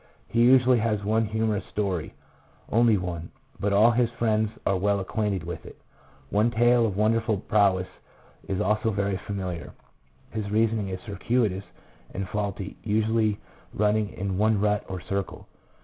He usually has one humorous story — only one, but all his friends are well acquainted with it ; one tale of wonderful prowess is also very familiar. His reasoning is circuitous and faulty, usually running in one rut or circle.